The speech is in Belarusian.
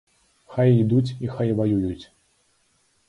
Хай ідуць і хай ваююць.